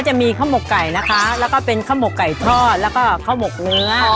จะมีข้าวหมกไก่นะคะแล้วก็เป็นข้าวหมกไก่ทอดแล้วก็ข้าวหมกเนื้อ